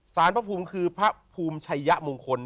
พระภูมิคือพระภูมิชัยยะมงคล